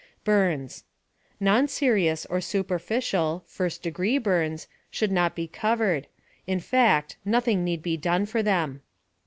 BURNS Non serious or superficial (first degree) burns should not be covered in fact, nothing need be done for them.